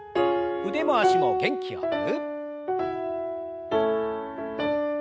腕も脚も元気よく。